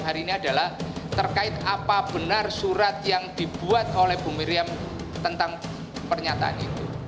hari ini adalah terkait apa benar surat yang dibuat oleh bu miriam tentang pernyataan itu